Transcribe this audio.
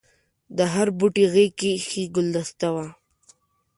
د هر بوټي غېږ کې ایښي ګلدسته وه.